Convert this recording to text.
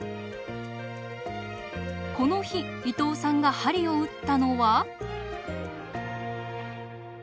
この日伊藤さんが鍼を打ったのは。